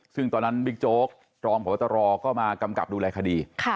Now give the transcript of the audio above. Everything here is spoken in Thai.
ซึ่งตอนนั้นบิ๊กโจ๊กรองพบตรก็มากำกับดูแลคดี